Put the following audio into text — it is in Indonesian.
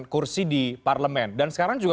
kursi di parlemen dan sekarang juga